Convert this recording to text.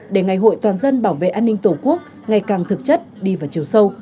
để ngày hội toàn dân bảo vệ an ninh tổ quốc ngày càng thực chất đi vào chiều sâu